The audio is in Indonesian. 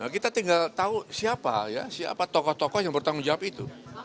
kita tinggal tahu siapa ya siapa tokoh tokoh yang bertanggung jawab itu